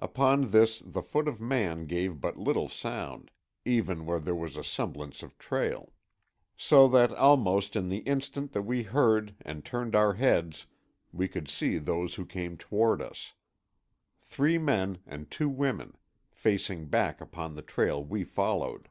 Upon this the foot of man gave but little sound, even where there was a semblance of trail. So that almost in the instant that we heard and turned our heads we could see those who came toward us. Three men and two women—facing back upon the trail we followed.